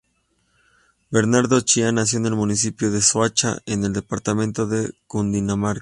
Bernardo Chía nació en el municipio de Soacha, en el departamento de Cundinamarca.